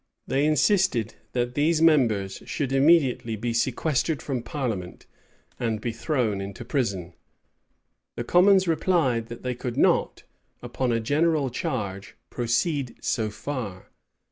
They insisted, that these members should immediately be sequestered from parliament, and be thrown into prison.[] The commons replied, that they could not, upon a general charge, proceed so far.